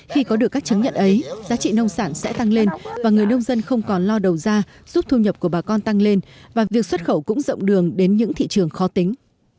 khi có được các chứng nhận ấy giá trị nông sản sẽ tăng lên và người nông dân không còn lo đầu ra giúp thu nhập của bà con tăng lên và việc xuất khẩu cũng rộng đường đến những thị trường khó tính